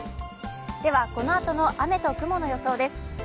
ではこのあとの雨と雲の予想です。